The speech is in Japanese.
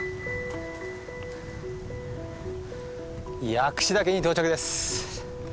薬師岳に到着です。